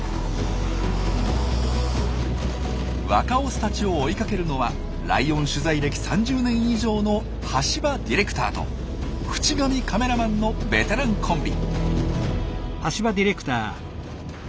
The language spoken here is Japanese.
若オスたちを追いかけるのはライオン取材歴３０年以上の橋場ディレクターと渕上カメラマンのベテランコンビ。